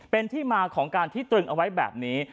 เป็นที่มาของการที่ตรึงเอาไว้แบบนี้